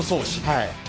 はい。